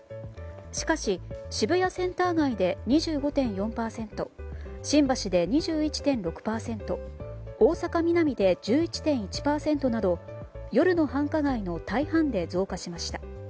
しかし、渋谷センター街で２５．４％新橋で２１．６％大阪・ミナミで１１．１％など夜の繁華街の大半で増加しました。